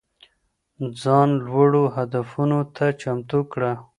ځان لوړو هدفونو ته چمتو کړه.